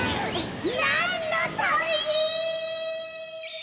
なんのために！